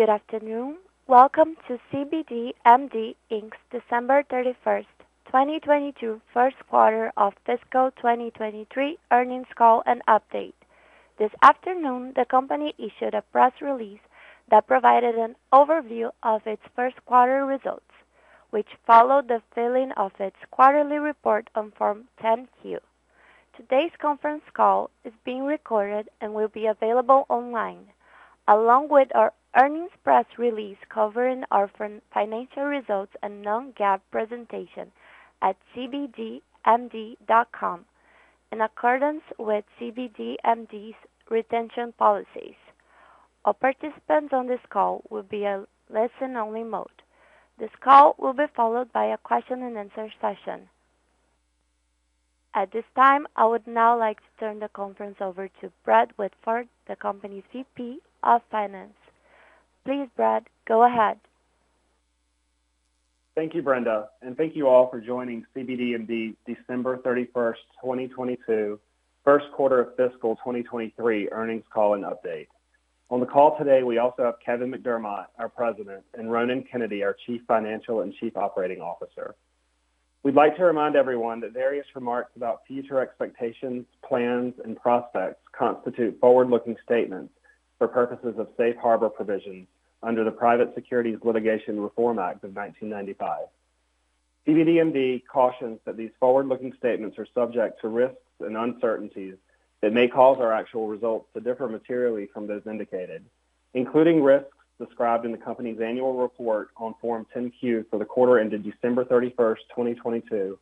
Good afternoon. Welcome to cbdMD, Inc.'s December 31, 2022 1st Quarter of Fiscal 2023 Earnings Call and Update. This afternoon, the company issued a press release that provided an overview of its 1st quarter results, which followed the filing of its quarterly report on Form 10-Q. Today's conference call is being recorded and will be available online, along with our earnings press release covering our financial results and non-GAAP presentation at cbdmd.com. In accordance with cbdMD's retention policies, all participants on this call will be in listen only mode. This call will be followed by a question and answer session. At this time, I would now like to turn the conference over to Brad Whitford, the company VP of Finance. Please, Brad, go ahead. Thank you, Brenda, thank you all for joining cbdMD December 31st, 2022, 1st Quarter of Fiscal 2023 Earnings Call and Update. On the call today, we also have Kevin McDermott, our President, and Ronan Kennedy, our Chief Financial and Chief Operating Officer. We'd like to remind everyone that various remarks about future expectations, plans, and prospects constitute forward-looking statements for purposes of safe harbor provisions under the Private Securities Litigation Reform Act of 1995. cbdMD cautions that these forward-looking statements are subject to risks and uncertainties that may cause our actual results to differ materially from those indicated, including risks described in the company's annual report on Form 10-Q for the quarter ended December 31st, 2022,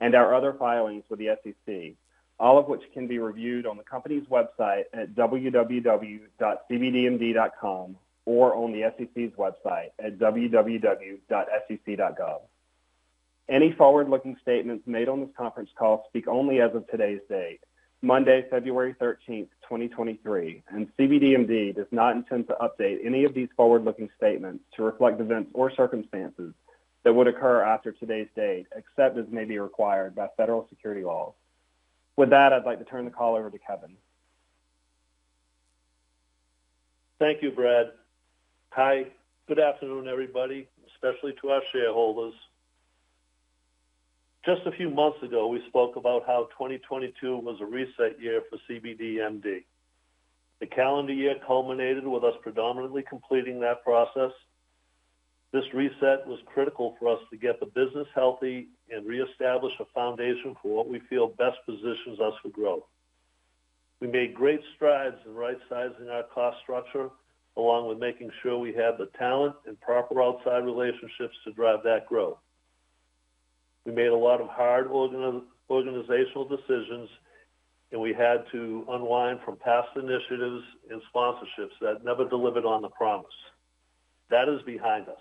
and our other filings with the SEC, all of which can be reviewed on the company's website at www.cbdmd.com or on the SEC's website at www.sec.gov. Any forward-looking statements made on this conference call speak only as of today's date, Monday, February 13th, 2023. cbdMD does not intend to update any of these forward-looking statements to reflect events or circumstances that would occur after today's date, except as may be required by federal security laws. With that, I'd like to turn the call over to Kevin. Thank you, Brad. Hi, good afternoon, everybody, especially to our shareholders. Just a few months ago, we spoke about how 2022 was a reset year for cbdMD. The calendar year culminated with us predominantly completing that process. This reset was critical for us to get the business healthy and reestablish a foundation for what we feel best positions us for growth. We made great strides in right-sizing our cost structure, along with making sure we have the talent and proper outside relationships to drive that growth. We made a lot of hard organizational decisions, and we had to unwind from past initiatives and sponsorships that never delivered on the promise. That is behind us.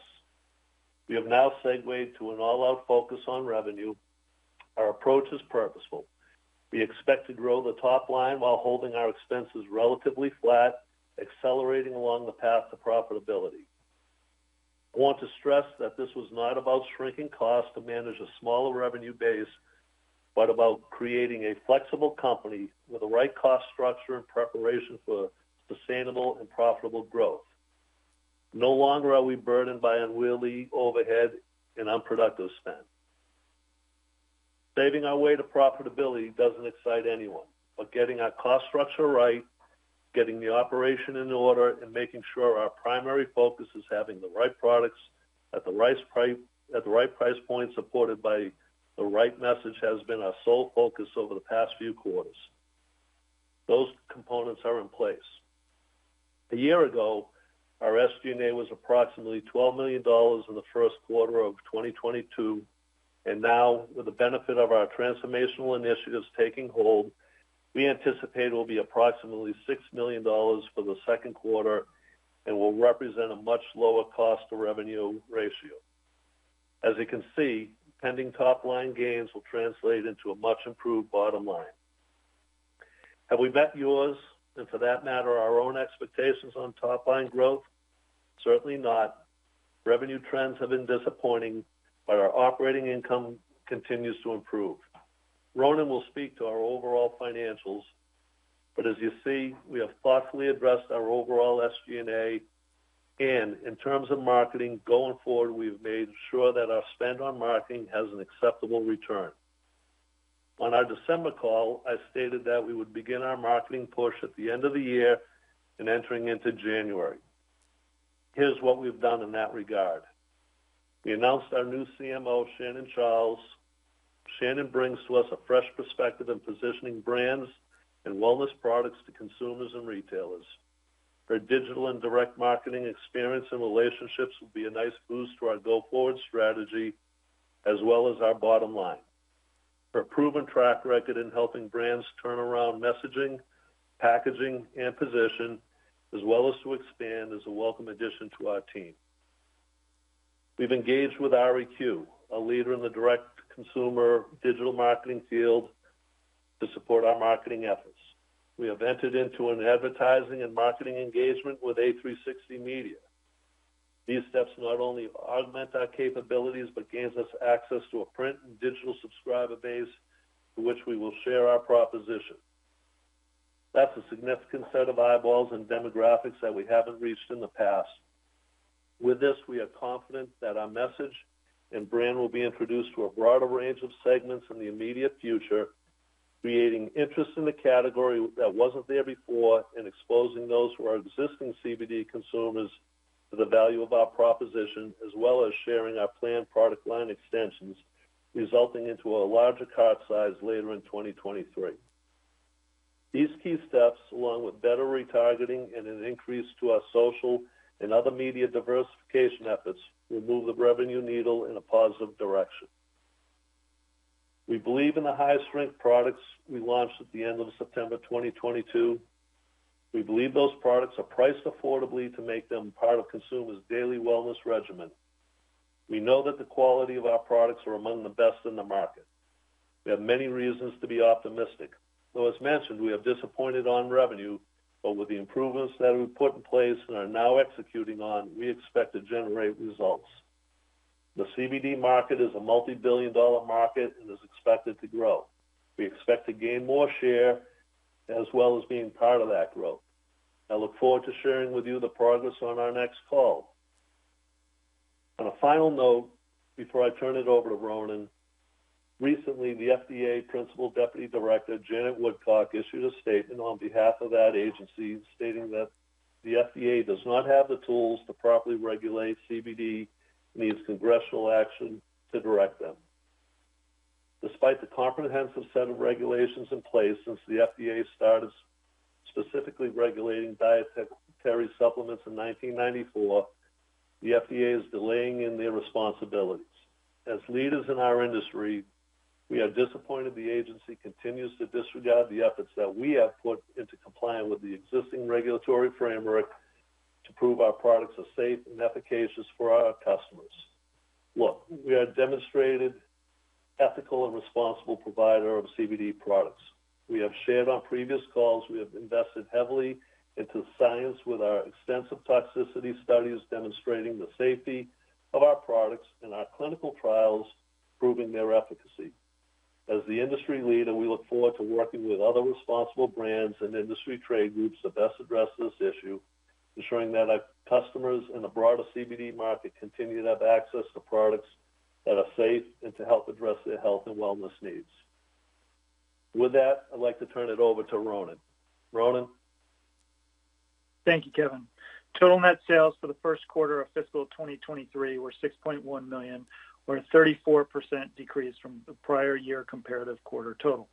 We have now segued to an all-out focus on revenue. Our approach is purposeful. We expect to grow the top line while holding our expenses relatively flat, accelerating along the path to profitability. I want to stress that this was not about shrinking cost to manage a smaller revenue base, but about creating a flexible company with the right cost structure and preparation for sustainable and profitable growth. No longer are we burdened by unwieldy overhead and unproductive spend. Saving our way to profitability doesn't excite anyone, but getting our cost structure right, getting the operation in order, and making sure our primary focus is having the right products at the right price point, supported by the right message, has been our sole focus over the past few quarters. Those components are in place. A year ago, our SG&A was approximately $12 million in the first quarter of 2022, and now, with the benefit of our transformational initiatives taking hold, we anticipate it will be approximately $6 million for the second quarter and will represent a much lower cost to revenue ratio. As you can see, pending top line gains will translate into a much improved bottom line. Have we met yours, and for that matter, our own expectations on top line growth? Certainly not. Revenue trends have been disappointing, but our operating income continues to improve. Ronan will speak to our overall financials, but as you see, we have thoughtfully addressed our overall SG&A. In terms of marketing, going forward, we've made sure that our spend on marketing has an acceptable return. On our December call, I stated that we would begin our marketing push at the end of the year entering into January. Here's what we've done in that regard. We announced our new CMO, Shannon Charles. Shannon brings to us a fresh perspective in positioning brands and wellness products to consumers and retailers. Her digital and direct marketing experience and relationships will be a nice boost to our go-forward strategy as well as our bottom line. Her proven track record in helping brands turn around messaging, packaging, and position, as well as to expand, is a welcome addition to our team. We've engaged with REQ, a leader in the direct consumer digital marketing field, to support our marketing efforts. We have entered into an advertising and marketing engagement with a360media. These steps not only augment our capabilities, but gains us access to a print and digital subscriber base to which we will share our proposition. That's a significant set of eyeballs and demographics that we haven't reached in the past. With this, we are confident that our message and brand will be introduced to a broader range of segments in the immediate future, creating interest in the category that wasn't there before, and exposing those who are existing CBD consumers to the value of our proposition, as well as sharing our planned product line extensions, resulting into a larger cart size later in 2023. These key steps, along with better retargeting and an increase to our social and other media diversification efforts, will move the revenue needle in a positive direction. We believe in the highest ranked products we launched at the end of September 2022. We believe those products are priced affordably to make them part of consumers daily wellness regimen. We know that the quality of our products are among the best in the market. We have many reasons to be optimistic, though as mentioned, we have disappointed on revenue. With the improvements that we put in place and are now executing on, we expect to generate results. The CBD market is a multi-billion dollar market and is expected to grow. We expect to gain more share as well as being part of that growth. I look forward to sharing with you the progress on our next call. On a final note, before I turn it over to Ronan. Recently, the FDA Principal Deputy Director, Janet Woodcock, issued a statement on behalf of that agency stating that the FDA does not have the tools to properly regulate CBD, needs congressional action to direct them. Despite the comprehensive set of regulations in place since the FDA started specifically regulating dietary supplements in 1994, the FDA is delaying in their responsibilities. As leaders in our industry, we are disappointed the agency continues to disregard the efforts that we have put into complying with the existing regulatory framework to prove our products are safe and efficacious for our customers. Look, we are demonstrated ethical and responsible provider of CBD products. We have shared on previous calls. We have invested heavily into science with our extensive toxicity studies demonstrating the safety of our products and our clinical trials proving their efficacy. As the industry leader, we look forward to working with other responsible brands and industry trade groups to best address this issue, ensuring that our customers and the broader CBD market continue to have access to products that are safe and to help address their health and wellness needs. With that, I'd like to turn it over to Ronan. Ronan? Thank you, Kevin. Total net sales for the first quarter of fiscal 2023 were $6.1 million, or a 34% decrease from the prior year comparative quarter total.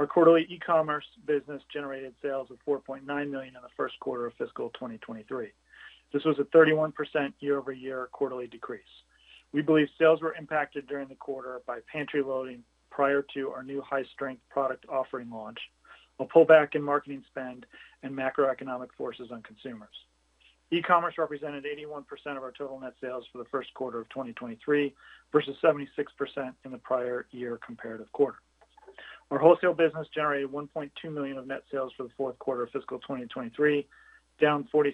Our quarterly e-commerce business generated sales of $4.9 million in the first quarter of fiscal 2023. This was a 31% year-over-year quarterly decrease. We believe sales were impacted during the quarter by pantry loading prior to our new high strength product offering launch. A pullback in marketing spend and macroeconomic forces on consumers. E-commerce represented 81% of our total net sales for the first quarter of 2023 versus 76% in the prior year comparative quarter. Our wholesale business generated $1.2 million of net sales for the fourth quarter of fiscal 2023, down 46%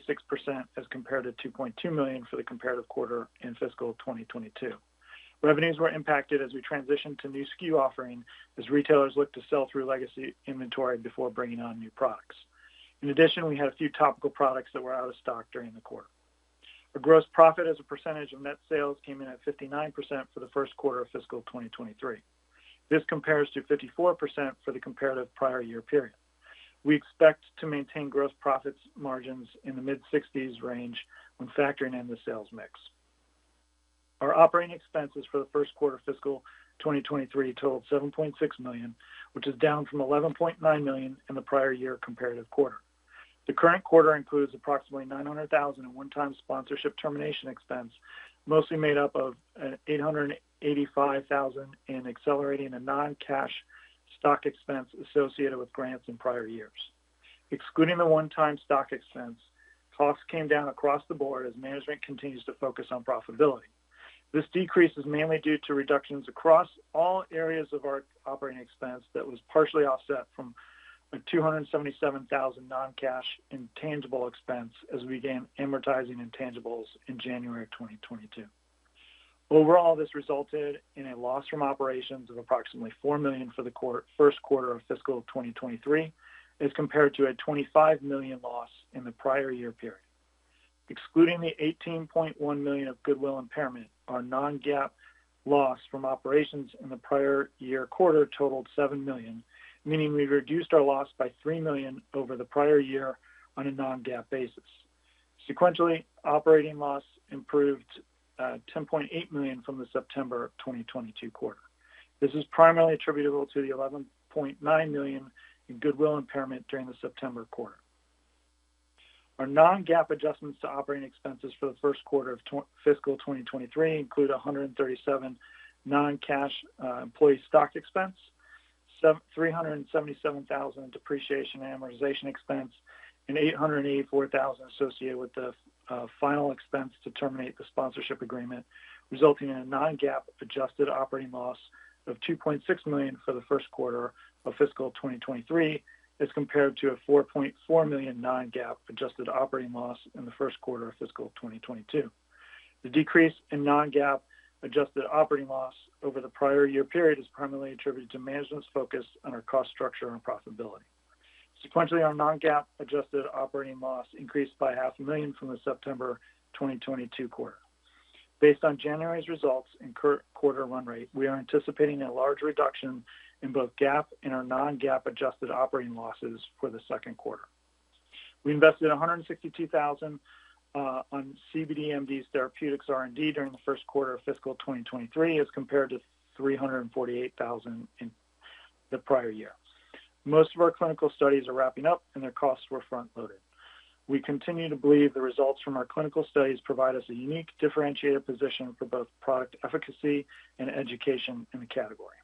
as compared to $2.2 million for the comparative quarter in fiscal 2022. Revenues were impacted as we transitioned to new SKU offering as retailers looked to sell through legacy inventory before bringing on new products. In addition, we had a few topical products that were out of stock during the quarter. Our gross profit as a percentage of net sales came in at 59% for the first quarter of fiscal 2023. This compares to 54% for the comparative prior year period. We expect to maintain gross profits margins in the mid-60s range when factoring in the sales mix. Our operating expenses for the first quarter of fiscal 2023 totaled $7.6 million, which is down from $11.9 million in the prior year comparative quarter. The current quarter includes approximately $900,000 in one-time sponsorship termination expense, mostly made up of $885,000 in accelerating a non-cash stock expense associated with grants in prior years. Excluding the one-time stock expense, costs came down across the board as management continues to focus on profitability. This decrease is mainly due to reductions across all areas of our operating expense that was partially offset from a $277,000 non-cash intangible expense as we began amortizing intangibles in January 2022. Overall, this resulted in a loss from operations of approximately $4 million for the first quarter of fiscal 2023, as compared to a $25 million loss in the prior year period. Excluding the $18.1 million of goodwill impairment, our non-GAAP loss from operations in the prior year quarter totaled $7 million, meaning we reduced our loss by $3 million over the prior year on a non-GAAP basis. Sequentially, operating loss improved $10.8 million from the September 2022 quarter. This is primarily attributable to the $11.9 million in goodwill impairment during the September quarter. Our non-GAAP adjustments to operating expenses for the first quarter of fiscal 2023 include $137 non-cash employee stock expense, $377,000 depreciation and amortization expense, and $884,000 associated with the final expense to terminate the sponsorship agreement, resulting in a non-GAAP adjusted operating loss of $2.6 million for the first quarter of fiscal 2023, as compared to a $4.4 million non-GAAP adjusted operating loss in the first quarter of fiscal 2022. The decrease in non-GAAP adjusted operating loss over the prior year period is primarily attributed to management's focus on our cost structure and profitability. Sequentially, our non-GAAP adjusted operating loss increased by half a million from the September 2022 quarter. Based on January's results and current quarter run rate, we are anticipating a large reduction in both GAAP and our non-GAAP adjusted operating losses for the second quarter. We invested $162,000 on cbdMD Therapeutics R&D during the first quarter of fiscal 2023 as compared to $348,000 in the prior year. Most of our clinical studies are wrapping up, and their costs were front-loaded. We continue to believe the results from our clinical studies provide us a unique differentiated position for both product efficacy and education in the category.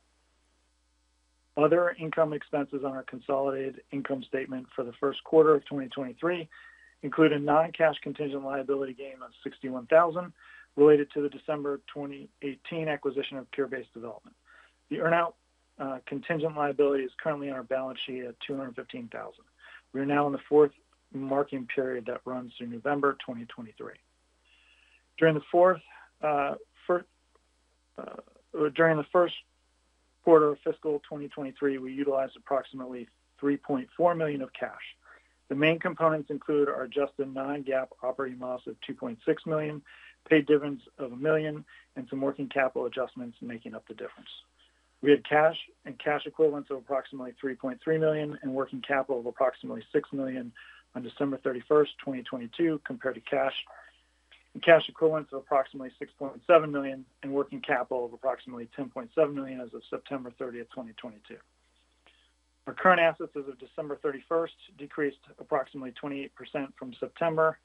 Other income expenses on our consolidated income statement for the first quarter of 2023 include a non-cash contingent liability gain of $61,000 related to the December 2018 acquisition of Cure Based Development. The earn-out contingent liability is currently on our balance sheet at $215,000. We are now in the fourth marking period that runs through November 2023. During the first quarter of fiscal 2023, we utilized approximately $3.4 million of cash. The main components include our adjusted non-GAAP operating loss of $2.6 million, paid dividends of $1 million, and some working capital adjustments making up the difference. We had cash and cash equivalents of approximately $3.3 million and working capital of approximately $6 million on December 31, 2022, compared to cash and cash equivalents of approximately $6.7 million and working capital of approximately $10.7 million as of September 30, 2022. Our current assets as of December 31 decreased approximately 28% from September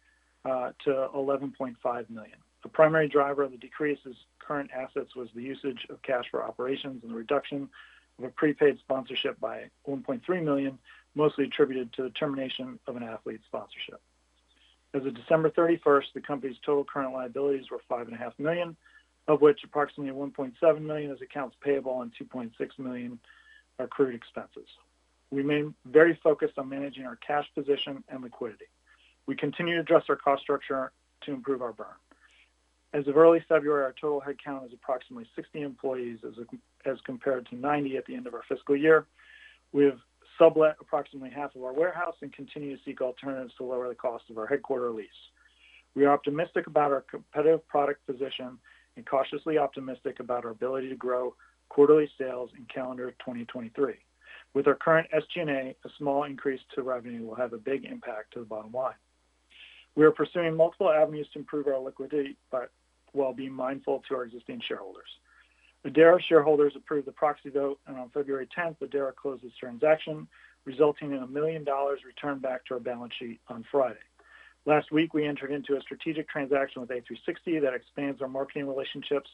to $11.5 million. The primary driver of the decrease in current assets was the usage of cash for operations and the reduction of a prepaid sponsorship by $1.3 million, mostly attributed to the termination of an athlete sponsorship. As of December 31st, the company's total current liabilities were $5.5 million, of which approximately $1.7 million is accounts payable and $2.6 million are accrued expenses. We remain very focused on managing our cash position and liquidity. We continue to address our cost structure to improve our burn. As of early February, our total headcount was approximately 60 employees as compared to 90 at the end of our fiscal year. We have sublet approximately half of our warehouse and continue to seek alternatives to lower the cost of our headquarter lease. We are optimistic about our competitive product position and cautiously optimistic about our ability to grow quarterly sales in calendar 2023. With our current SG&A, a small increase to revenue will have a big impact to the bottom line. We are pursuing multiple avenues to improve our liquidity, but while being mindful to our existing shareholders. The Adara shareholders approved the proxy vote, and on February 10th, the Adara closed this transaction, resulting in $1 million returned back to our balance sheet on Friday. Last week, we entered into a strategic transaction with a360media that expands our marketing relationships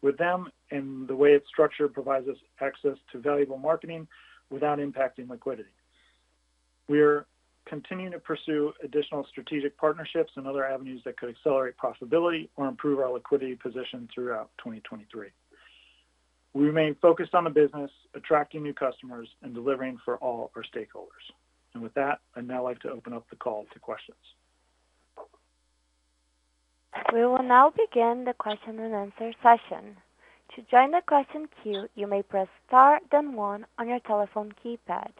with them, and the way it's structured provides us access to valuable marketing without impacting liquidity. We are continuing to pursue additional strategic partnerships and other avenues that could accelerate profitability or improve our liquidity position throughout 2023. We remain focused on the business, attracting new customers, and delivering for all our stakeholders. With that, I'd now like to open up the call to questions. We will now begin the question and answer session. To join the question queue, you may press star then one on your telephone keypad.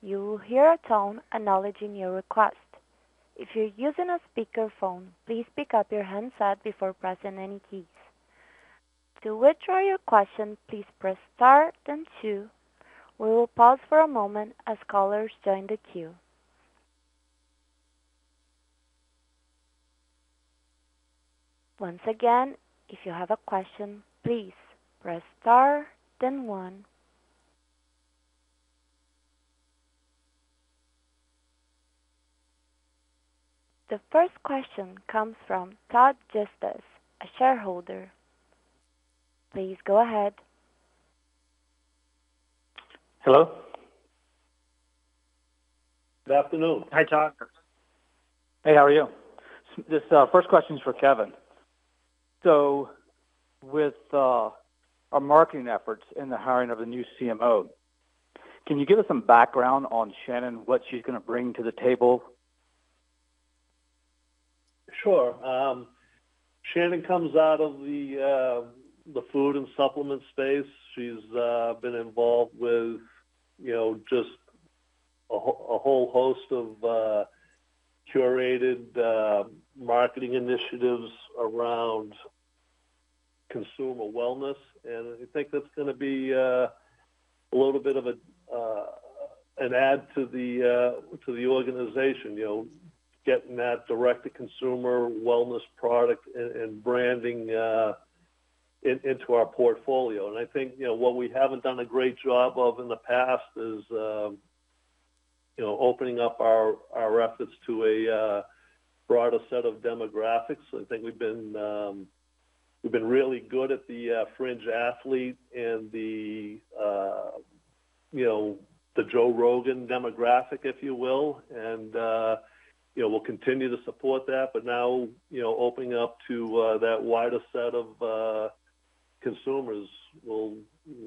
You will hear a tone acknowledging your request. If you're using a speakerphone, please pick up your handset before pressing any keys. To withdraw your question, please press star then two. We will pause for a moment as callers join the queue. Once again, if you have a question, please press star then one. The first question comes from Todd Justice, a shareholder. Please go ahead. Hello. Good afternoon. Hi, Todd. Hey, how are you? This, first question is for Kevin. With, our marketing efforts and the hiring of the new CMO, can you give us some background on Shannon, what she's gonna bring to the table? Sure. Shannon comes out of the food and supplement space. She's been involved with, you know, just a whole host of curated marketing initiatives around consumer wellness. I think that's gonna be a little bit of an add to the organization, you know. Getting that direct-to-consumer wellness product and branding into our portfolio. I think, you know, what we haven't done a great job of in the past is, you know, opening up our efforts to a broader set of demographics. I think we've been really good at the fringe athlete and the, you know, the Joe Rogan demographic, if you will. You know, we'll continue to support that. Now, you know, opening up to that wider set of,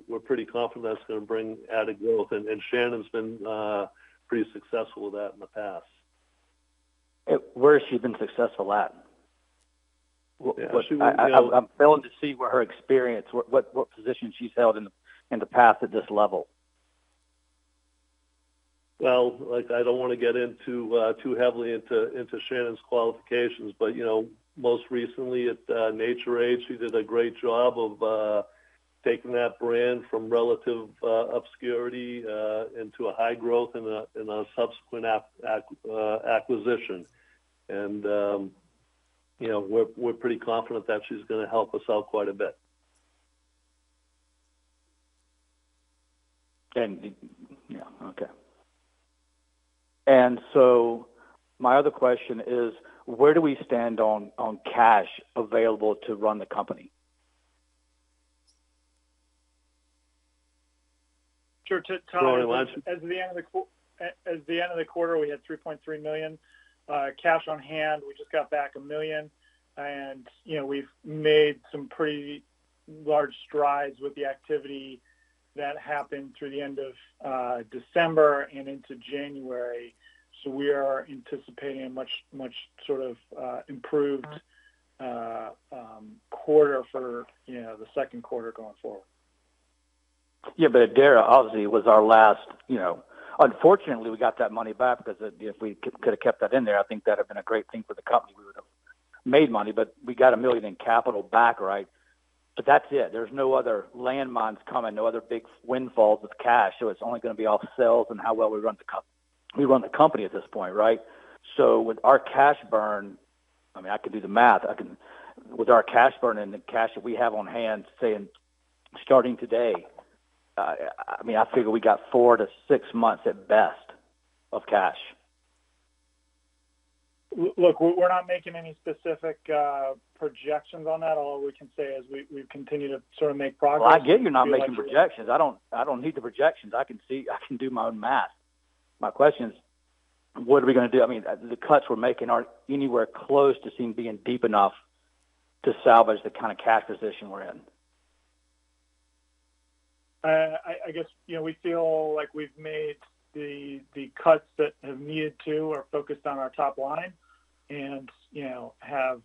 we're pretty confident that's gonna bring added growth. Shannon's been pretty successful with that in the past. Where has she been successful at? Well, she was- I'm failing to see where her experience, what position she's held in the past at this level. Well, like, I don't wanna get into too heavily into Shannon's qualifications. You know, most recently at, she did a great job of taking that brand from relative obscurity into a high growth and a subsequent acquisition. You know, we're pretty confident that she's gonna help us out quite a bit. Yeah, okay. My other question is: where do we stand on cash available to run the company? Sure. The last- As the end of the quarter, we had $3.3 million cash on hand. We just got back $1 million. You know, we've made some pretty large strides with the activity that happened through the end of December and into January. We are anticipating a much sort of improved quarter for, you know, the second quarter going forward. Yeah, Adara obviously was our last, you know. Unfortunately, we got that money back, 'cause if we could've kept that in there, I think that have been a great thing for the company. We would've made money, but we got $1 million in capital back, right? That's it. There's no other landmines coming, no other big windfalls with cash. It's only gonna be all sales and how well we run the company at this point, right? With our cash burn, I mean, I could do the math. With our cash burn and the cash that we have on hand, saying starting today, I mean, I figure we got four to six months at best of cash. Look, we're not making any specific projections on that. All we can say is we continue to sort of make progress and feel like. I get you're not making projections. I don't need the projections. I can see. I can do my own math. My question is, what are we gonna do? I mean, the cuts we're making aren't anywhere close to seem being deep enough to salvage the kinda cash position we're in. I guess, you know, we feel like we've made the cuts that have needed to or focused on our top line and, you know, have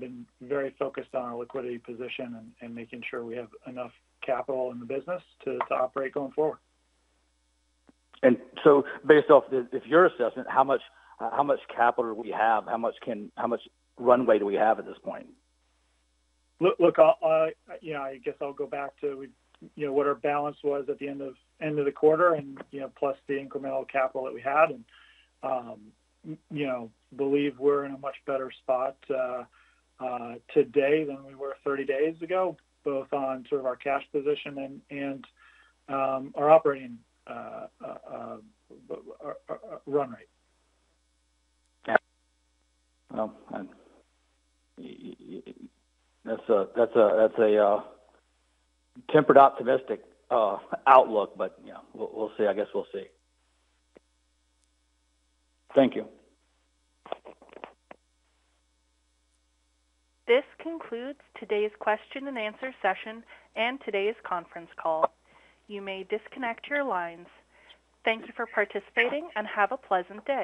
been very focused on our liquidity position and making sure we have enough capital in the business to operate going forward. Based off if your assessment, how much, how much capital do we have? How much runway do we have at this point? Look, I, you know, I guess I'll go back to, you know, what our balance was at the end of the quarter and, you know, plus the incremental capital that we had. You know, believe we're in a much better spot today than we were 30 days ago, both on sort of our cash position and our operating run rate. Yeah. Well, That's a tempered optimistic outlook. You know, we'll see. I guess we'll see. Thank you. This concludes today's question and answer session and today's conference call. You may disconnect your lines. Thank you for participating, and have a pleasant day.